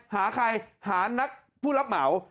หาใครหานักผู้รับเหมา